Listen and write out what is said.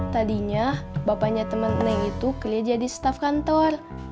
tadinya bapaknya temen neng itu keliah jadi staff kantor